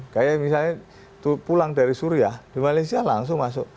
kayak misalnya pulang dari suriah di malaysia langsung masuk